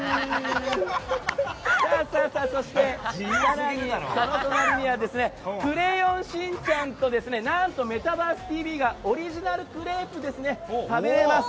そして、隣には「クレヨンしんちゃん」と「メタバースＴＶ！！」のオリジナルクレープを食べれます。